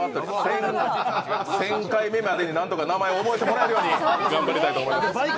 １０００回目までになんとか名前を覚えてもらえるように頑張りたいと思います。